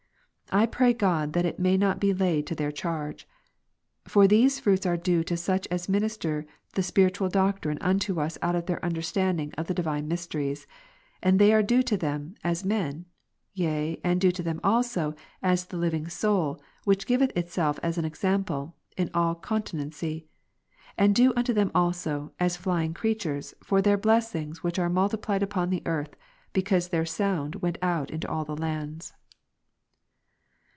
I jrray God that it may not be laid to their charge ? For these fruits are due to such as minister the spiritual doctrine unto us out of their understanding of the divine mysteries ; and they are due to them, as men ; yea and due to them also, as the living soul, which giveth itself as an example, in all continency ; and due unto them also, as flying creatures, for their blessings which are multiplied Ps. 19,4. upon the earth, because their sound went out into all lands.